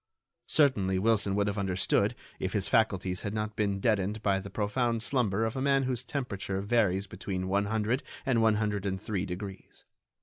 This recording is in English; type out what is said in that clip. Certainly Wilson would have understood if his faculties had not been deadened by the profound slumber of a man whose temperature varies between one hundred and one hundred and three degrees.